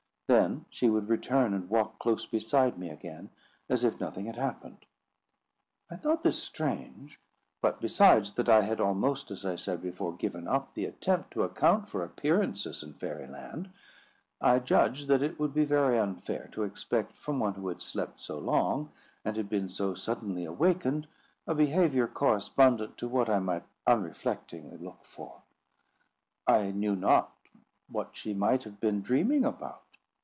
Then she would return and walk close beside me again, as if nothing had happened. I thought this strange; but, besides that I had almost, as I said before, given up the attempt to account for appearances in Fairy Land, I judged that it would be very unfair to expect from one who had slept so long and had been so suddenly awakened, a behaviour correspondent to what I might unreflectingly look for. I knew not what she might have been dreaming about.